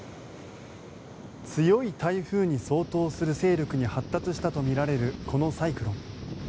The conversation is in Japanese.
強い台風に相当する勢力に発達したとみられるこのサイクロン。